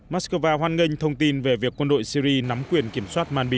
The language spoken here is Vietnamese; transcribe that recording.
moscow hoan nghênh thông tin về việc quân đội syri nắm quyền kiểm soát manby